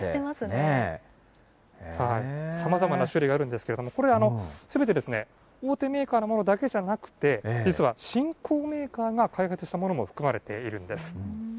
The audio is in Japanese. さまざまな種類があるんですけれども、これ、すべて、大手メーカーのものだけじゃなくて、実は新興メーカーが開発したものも含まれているんです。